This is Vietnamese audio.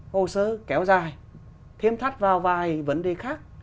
hồ sơ kéo dài thêm thắt vào vài vấn đề khác